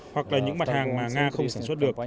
hoặc là những mặt hàng mà nga không sản xuất được